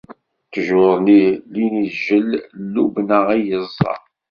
Ttjuṛ nni n yingel n Lubnan i yeẓẓa.